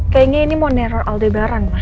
kayaknya ini mau neror aldebaran mah